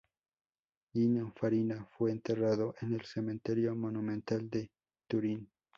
Nino Farina fue enterrado en el Cementerio Monumental de Turín.